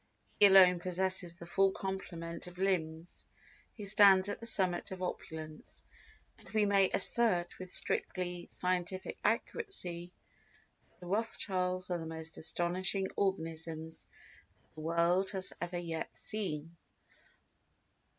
He alone possesses the full complement of limbs who stands at the summit of opulence, and we may assert with strictly scientific accuracy that the Rothschilds are the most astonishing organisms that the world has ever yet seen.